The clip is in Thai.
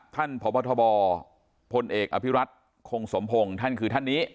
ท่านพบทบพลเอกอภิรัตคงสมพงศ์ท่านคือท่านนี้